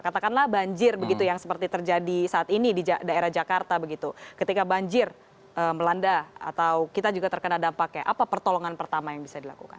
katakanlah banjir begitu yang seperti terjadi saat ini di daerah jakarta begitu ketika banjir melanda atau kita juga terkena dampaknya apa pertolongan pertama yang bisa dilakukan